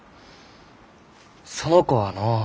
その子はのう。